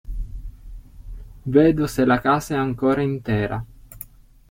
Vedo se la casa è ancora intera.